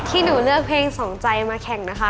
ที่หนูเลือกเพลงสองใจมาแข่งนะคะ